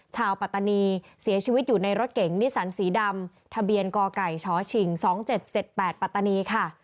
ชาวปัตตานีเสียชีวิตอยู่ในรถเก๋งนิสันสีดำทะเบียนกไก่ชฉิงสองเจ็ดเจ็ดแปดปัตตานีค่ะ